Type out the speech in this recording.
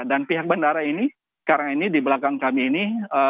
dan pihak bandara ini sekarang ini di belakang kami ini